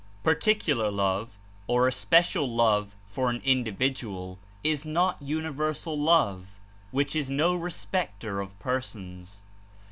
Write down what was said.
Particular love, or especial love for an individual is not universal love, which is no respecter of persons.